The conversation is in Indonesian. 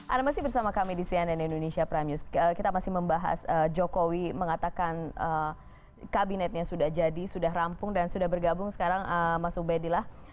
anda masih bersama kami di cnn indonesia prime news kita masih membahas jokowi mengatakan kabinetnya sudah jadi sudah rampung dan sudah bergabung sekarang mas ubedillah